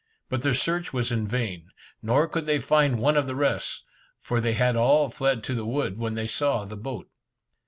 But their search was in vain, nor could they find one of the rest, for they had all fled to the woods when they saw the boat.